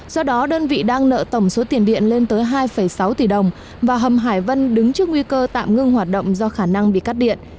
do đó đơn vị đang nợ tổng số tiền điện lên tới hai sáu tỷ đồng và hầm hải vân đứng trước nguy cơ tạm ngưng hoạt động do khả năng bị cắt điện